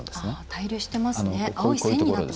滞留してますね。